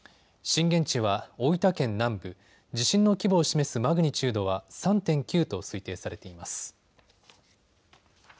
震源地は大分県南部、地震の規模を示すマグニチュードは３．９と推定されています。